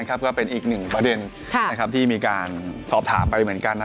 ก็เป็นอีกหนึ่งประเด็นที่มีการสอบถามไปเหมือนกัน